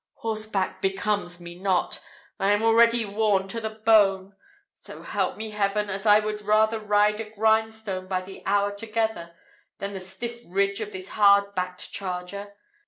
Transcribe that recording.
Horseback becomes me not I am already worn to the bone! So help me Heaven! as I would rather ride a grindstone by the hour together, than the stiff ridge of this hard backed charger!